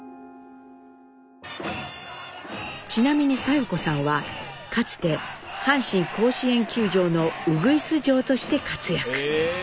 ちなみに佐代子さんはかつて阪神甲子園球場のウグイス嬢として活躍。